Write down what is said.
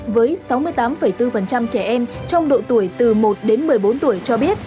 với sáu mươi tám bốn trẻ em trong độ tuổi từ một đến một mươi bốn tuổi cho biết